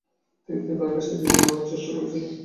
তিনি তিনবার আকাশে বিমান ওড়ানোর চেষ্টা করেছিলেন।